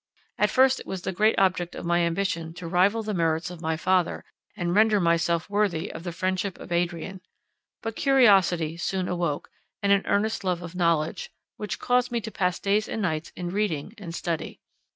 At first it was the great object of my ambition to rival the merits of my father, and render myself worthy of the friendship of Adrian. But curiosity soon awoke, and an earnest love of knowledge, which caused me to pass days and nights in reading and study.